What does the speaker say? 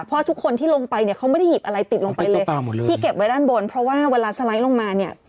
เพราะทุกคนที่ลงไปเนี่ยเขาไม่ได้หยิบอะไรติดลงไปเลยที่เก็บไว้ด้านบนเพราะว่าเวลาสไลด์ลงมาเนี่ย